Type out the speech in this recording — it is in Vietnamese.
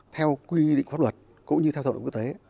theo quy định pháp luật cũng như theo thổ đồng quốc tế